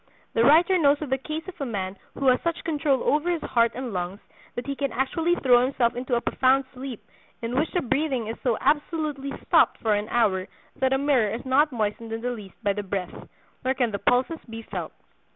The writer knows of the case of a man who has such control over his heart and lungs that he can actually throw himself into a profound sleep in which the breathing is so absolutely stopped for an hour that a mirror is not moistened in the least by the breath, nor can the pulses be felt.